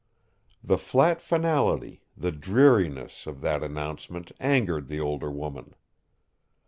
The flat finality, the dreariness, of that announcement angered the older woman.